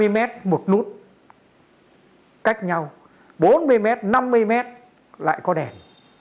ba mươi mét một nút cách nhau bốn mươi mét năm mươi mét lại có đèn